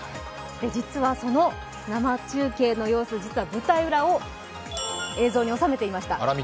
実はその生中継の様子、舞台裏を映像に収めていました。